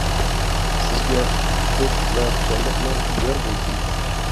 سىزگە ئۇتۇق ۋە خۇشاللىقلار يار بولسۇن!